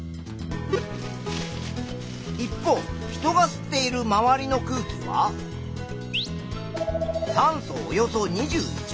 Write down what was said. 一方人が吸っているまわりの空気は酸素およそ２１％。